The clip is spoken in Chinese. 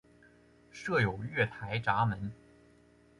设有月台闸门。